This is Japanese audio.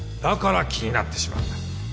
だから気になってしまうんだ